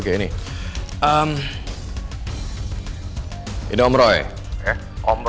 tapi di akhir di sekitar